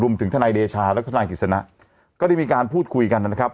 ทนายเดชาแล้วก็ทนายกฤษณะก็ได้มีการพูดคุยกันนะครับ